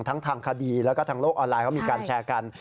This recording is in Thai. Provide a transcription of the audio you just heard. ทั้งทางคดีแล้วก็ทางโลกออนไลน์เขามีการแชร์กัน